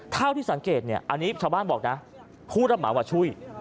เท่าที่สังเกตอันนี้ชาวบ้านบอกนะผู้รับหมายว่าช่วย